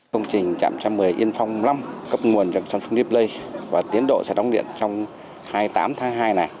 công trình trạm trạm một mươi yên phong năm cấp nguồn cho samsung deeplay và tiến độ sẽ đóng điện trong hai mươi tám tháng hai này